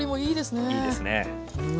いいですね。